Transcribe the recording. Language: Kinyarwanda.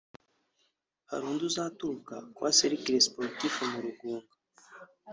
Hari undi uzaturuka ku wa Cercle Sportif mu Rugunga